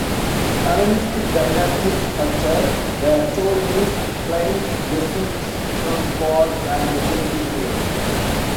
Hellenistic dynasties, such as the Ptolemies, claimed descent from gods and legendary heroes.